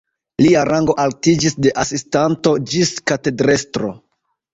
Lia rango altiĝis de asistanto ĝis katedrestro.